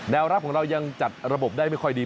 รับของเรายังจัดระบบได้ไม่ค่อยดี